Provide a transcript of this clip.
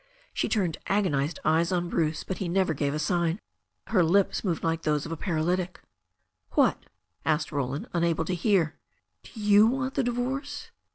She turned agonized eyes on Bruce, but he never gave a sign. Her lips moved like those of a paral3rtic. "What?" asked Roland, unable to hear. "Do you want the divorce?"